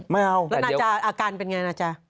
ไม่เอาแล้วนาจาอาการเป็นอย่างไร